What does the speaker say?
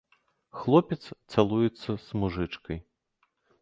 Хлопец цалуецца з мужычкай!